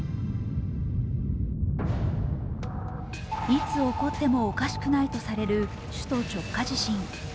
いつ起こってもおかしくないとされる首都直下地震。